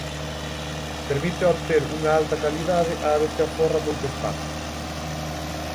Permite obter unha alta calidade á vez que aforra moito espazo.